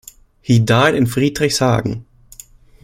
He died in Friedrichshagen.